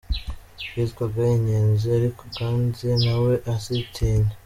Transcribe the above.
Yitwaga ‘inyenzi’ ariko kandi na we azitinya….